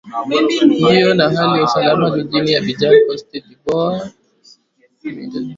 ndio na hali ya usalama jijini adbijan coste de voire imeendelea kupata kash kash